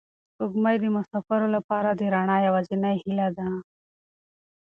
سپوږمۍ د مساپرو لپاره د رڼا یوازینۍ هیله ده.